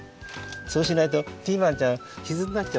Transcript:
そうしないとピーマンちゃんきずになっちゃうの。